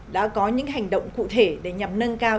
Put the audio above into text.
đã có những hành động cụ thể để nhằm nâng cao